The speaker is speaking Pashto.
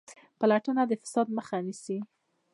پلټنه د فساد مخه نیسي